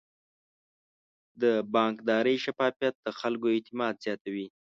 د بانکداري شفافیت د خلکو اعتماد زیاتوي.